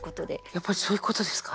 やっぱりそういうことですか。